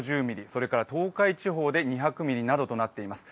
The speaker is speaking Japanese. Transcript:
それから東海地方で２００ミリなどとなっています。